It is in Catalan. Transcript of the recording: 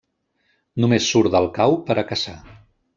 Només surt del cau per a caçar.